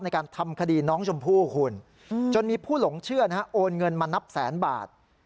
ในการทำคดีน้องชมพู่คุณจนมีผู้หลงเชื่อนะฮะโอนเงินมานับแสนบาท